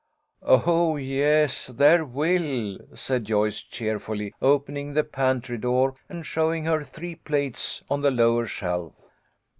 " Oh, yes, there will," said Joyce, cheerfully, open ing the pantry door and showing her three plates on the lower shelf.